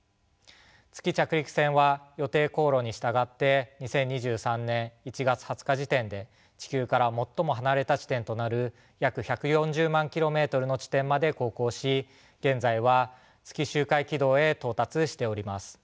月着陸船は予定航路に従って２０２３年１月２０日時点で地球から最も離れた地点となる約１４０万ｋｍの地点まで航行し現在は月周回軌道へ到達しております。